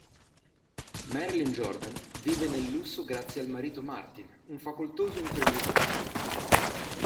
Marilyn Jordan vive nel lusso grazie al marito Martin, un facoltoso imprenditore.